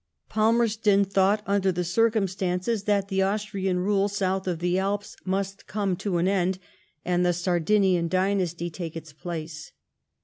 Falmerston thought, under the circumstances, that the Austrian rule, south of the Alps, must come to an end, and the Sardinian dynasty take its place.